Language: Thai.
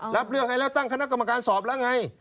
รับเรื่องให้แล้วตั้งคณะกรรมการสอบแล้วไง